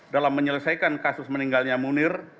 dalam menyelesaikan kasus meninggalnya munir